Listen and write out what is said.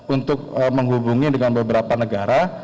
untuk menghubungi dengan beberapa negara